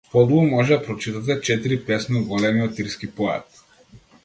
Подолу може да прочитате четири песни од големиот ирски поет.